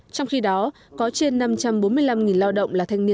trong khi đó có trên năm trăm bốn mươi năm người